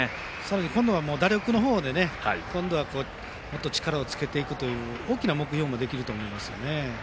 今度は打力でもっと力をつけていくという大きな目標もできると思います。